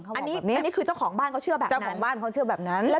อันนี้คือเจ้าของบ้านเขาเชื่อแบบนั้น